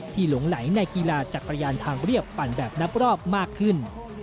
หลงไหลในกีฬาจักรยานทางเรียบปั่นแบบนับรอบมากขึ้น